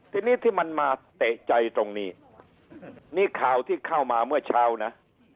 ทีนี้ที่มันมาเตะใจตรงนี้นี่ข่าวที่เข้ามาเมื่อเช้านะ